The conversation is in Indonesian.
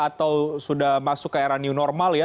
atau sudah masuk ke era new normal ya